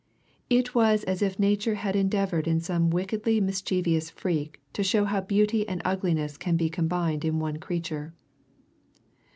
It was as if Nature had endeavoured in some wickedly mischievous freak to show how beauty and ugliness can be combined in one creature.